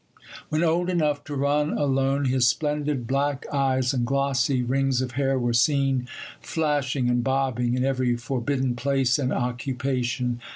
When old enough to run alone, his splendid black eyes and glossy rings of hair were seen flashing and bobbing in every forbidden place and occupation.